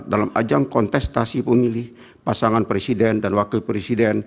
dalam ajang kontestasi pemilih pasangan presiden dan wakil presiden